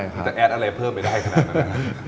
คุณจะแอดอะไรเพิ่มไปได้ขนาดนั้นนะครับ